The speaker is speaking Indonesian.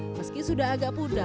meski sudah agak muda